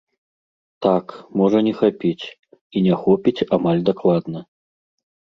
Так, можа не хапіць і не хопіць амаль дакладна.